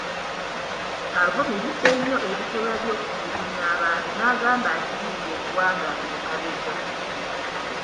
Avumiridde nnyo ebikolwa by'okutulungunya abantu n'agamba nti bizza eggwanga emabega.